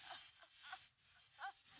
aku bukan hati